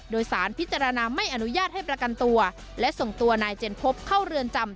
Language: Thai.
โดยสารพิจารณาไม่อนุญาตให้ประกันตัวและส่งตัวนายเจนพบเข้าเรือนจำ